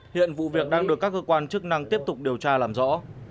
hiện vụ việc đang được các cơ quan chức năng tiếp tục điều tra làm rõ